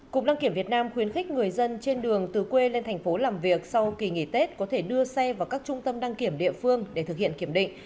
cục đăng kiểm việt nam khuyến khích người dân trên đường từ quê lên thành phố làm việc sau kỳ nghỉ tết có thể đưa xe vào các trung tâm đăng kiểm địa phương để thực hiện kiểm định